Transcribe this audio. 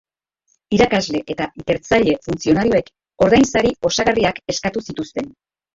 Irakasle eta ikertzaile funtzionarioek ordainsari osagarriak eskatu zituzten.